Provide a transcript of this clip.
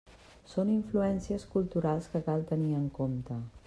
Són influències culturals que cal tenir en compte.